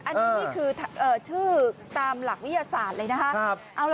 อันนี้นี่คือชื่อตามหลักวิทยาศาสตร์เลยนะคะ